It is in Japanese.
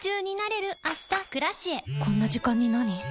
こんな時間になに？